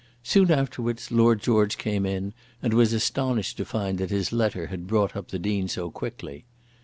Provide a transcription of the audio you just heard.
Soon afterwards Lord George came in and was astonished to find that his letter had brought up the Dean so quickly.